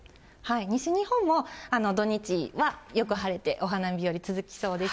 西日本も土日はよく晴れて、お花見日和続きそうです。